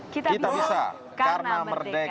kita bisa karena merdeka